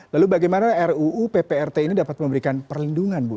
lalu bagaimana ruu pprt ini dapat memberikan perlindungan bu